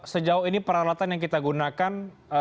sejauh ini peralatan yang kita gunakan